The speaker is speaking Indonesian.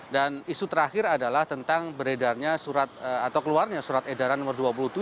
dan isu terakhir adalah tentang beredarnya surat atau keluarnya surat edaran nomor dua puluh tujuh